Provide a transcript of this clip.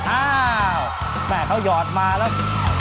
อ้าวแม่เขาหยอดมาแล้ว